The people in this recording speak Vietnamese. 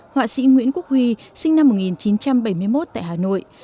họa sĩ nguyễn quốc huy sinh năm một nghìn chín trăm bảy mươi một tại hà nội